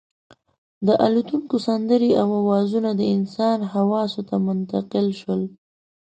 د الوتونکو سندرې او اوازونه د انسان حواسو ته منتقل شول.